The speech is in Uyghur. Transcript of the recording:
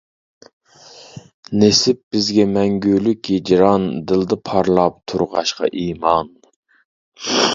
نېسىپ بىزگە مەڭگۈلۈك ھىجران، دىلدا پارلاپ تۇرغاچقا ئىمان.